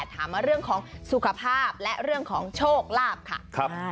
ถามมาเรื่องของสุขภาพและเรื่องของโชคลาภค่ะ